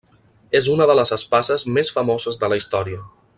És una de les espases més famoses de la història.